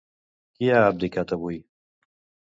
Qui ha abdicat avui?